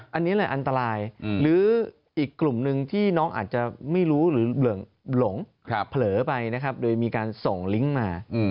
อันนี้แหละอันตรายหรืออีกกลุ่มหนึ่งที่น้องอาจจะไม่รู้หรือหลงเผลอไปนะครับโดยมีการส่งลิงก์มา